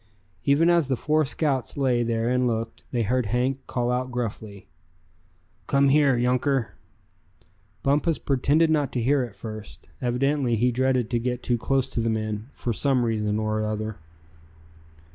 Even as the four scouts lay there and looked, they heard Hank call out gruffly: "Come here, younker!" Bumpus pretended not to hear at first. Evidently he dreaded to get too close to the men, for some reason or other.